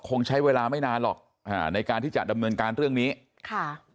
คงใช้เวลาไม่นานหรอกอ่าในการที่จะดำเนินการเรื่องนี้ค่ะ